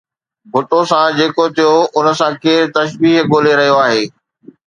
ڀُٽو سان جيڪو ٿيو ان سان ڪير تشبيهه ڳولي رهيو آهي؟